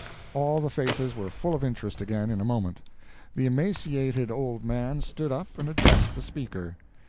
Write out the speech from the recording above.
All the faces were full of interest again in a moment. The emaciated old man stood up and addressed the Speaker.